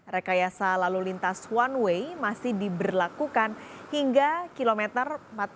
rekayasa lalu lintas one way masih diberlakukan hingga kilometer empat puluh